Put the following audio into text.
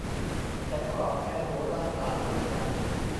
แต่ก็ออกแนวโหราศาสตร์ด้วยกัน